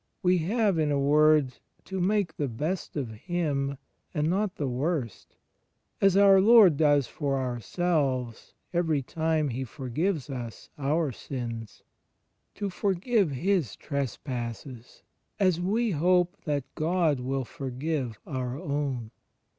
We have, in a word, to make the best of him and not the worst (as our Lord does for ourselves every time He forgives us our sins), to forgive his trespasses as we hope that God will forgive our own.